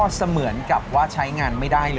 เสมือนกับว่าใช้งานไม่ได้เลย